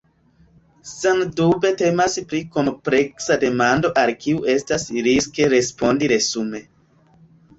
Sendube temas pri kompleksa demando al kiu estas riske respondi resume.